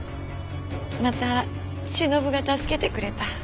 またしのぶが助けてくれた。